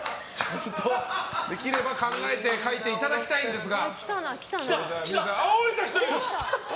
できれば考えて書いていただきたいんですが。